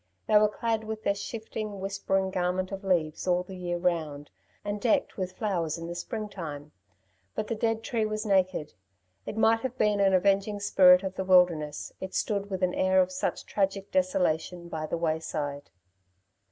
They were clad with their shifting, whispering garment of leaves all the year round, and decked with flowers in the springtime. But the dead tree was naked. It might have been an avenging spirit of the wilderness, it stood with an air of such tragic desolation by the wayside.